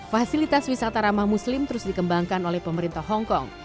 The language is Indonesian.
fasilitas wisata ramah muslim terus dikembangkan oleh pemerintah hongkong